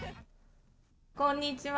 こんにちは。